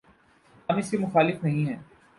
ہم اس کے مخالف نہیں ہیں۔